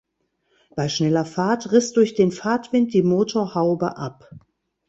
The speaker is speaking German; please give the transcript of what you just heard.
Bei schneller Fahrt riss durch den Fahrtwind die Motorhaube ab.